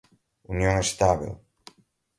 união estável